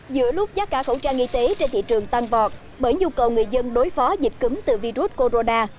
giữa lúc giá cả khẩu trang y tế trên thị trường tăng vọt bởi nhu cầu người dân đối phó dịch cấm từ virus corona